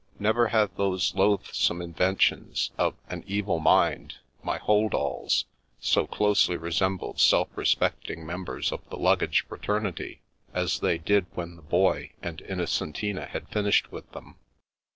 Never had those loathsome inventions of an evil mind, my hold alls, so closely resembled self respecting mem bers of the luggage fraternity as they did when the Boy and Innocentina had finished with them.